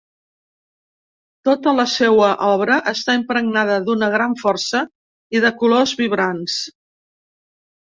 Tota la seua obra està impregnada d'una gran força i de colors vibrants.